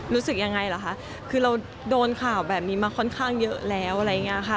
รู้สึกยังไงเหรอคะคือเราโดนข่าวแบบนี้มาค่อนข้างเยอะแล้วอะไรอย่างนี้ค่ะ